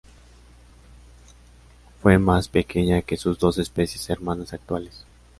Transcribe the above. Fue más pequeña que sus dos especies hermanas actuales.